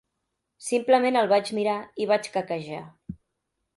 Simplement el vaig mirar i vaig quequejar.